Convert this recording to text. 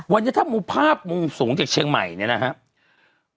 วันนี้ถ้ามุมภาพมุมสูงจากเชียงใหม่เนี่ยนะครับ